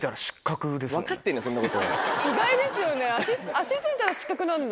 足ついたら失格なんだ。